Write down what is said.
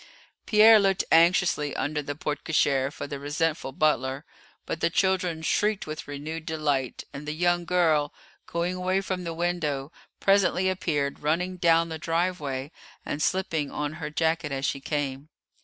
Pierre looked anxiously under the porte cochère for the resentful butler; but the children shrieked with renewed delight, and the young girl, going away from the window, presently appeared, running down the drive way, and slipping on her jacket as she came.